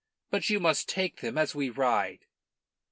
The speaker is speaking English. But you must take them as we ride."